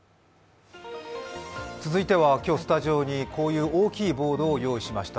続いては今日スタジオにこういう大きいボードを用意しました。